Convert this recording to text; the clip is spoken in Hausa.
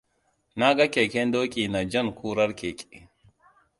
Na ga keken doki na jan kurar keke.